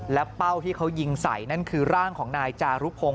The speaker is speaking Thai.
และเป้าที่เขายิงใส่นั่นคือร่างของนายจารุพงศ